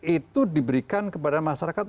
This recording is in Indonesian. itu diberikan kepada masyarakat